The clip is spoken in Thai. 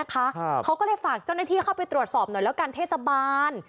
เขาก็เลยฝากเจ้าหน้าที่เข้าไปตรวจสอบหน่อยแล้วกันเทศบาล